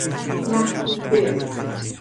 محبوبه